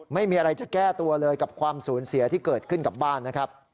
ไม่มีอะไรจะแก้ตัวเลยกับความสูญเสียที่เกิดขึ้นกับบ้านนะครับ